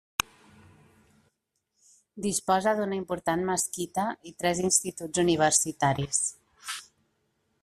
Disposa d'una important mesquita i tres instituts universitaris.